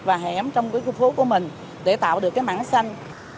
và hẻm trong cái khu phố của mình để tạo được cái mảng xanh